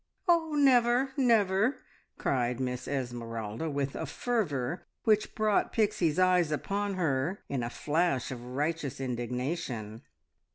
"Oh, never, never!" cried Miss Esmeralda, with a fervour which brought Pixie's eyes upon her in a flash of righteous indignation.